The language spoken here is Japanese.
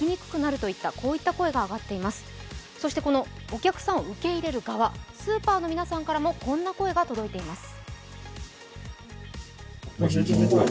お客さんを受け入れる側スーパーの皆さんからもこんな声が届いています。